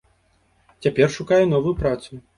Цяпер шукае новую працу.